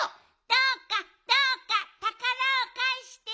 どうかどうかたからをかえしてくださいな。